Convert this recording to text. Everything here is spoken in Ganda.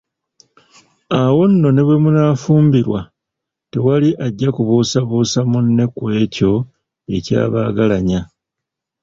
Awo nno ne bwemunaafumbirwa tewali ajja kubuusabuusa munne ku ekyo ekyabagalanya.